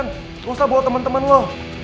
nggak usah bawa temen temen lo